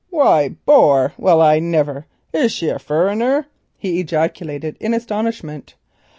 "Why boar! Well I never! Is she a furriner?" he ejaculated in astonishment.